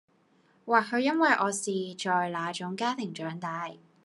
或許因為我是在那種家庭長大